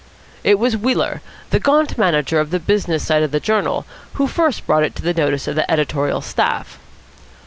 It was Wheeler, the gaunt manager of the business side of the journal, who first brought it to the notice of the editorial staff.